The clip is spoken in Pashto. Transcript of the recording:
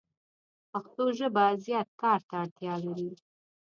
پښتو ژبه زیات کار ته اړتیا لری